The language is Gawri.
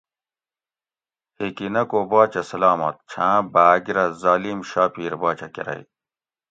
ھیکی نہ کو باچہ سلامت چھاں باگ رہ ظالم شاپیر باچہ کرۤئ